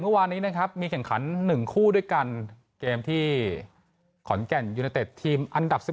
์ตัววันนี้นะครับมีเหลี่ยงขันหนึ่งคู่ด้วยกันเกมที่ขนแก่นอยู่ในเต็มอันดับ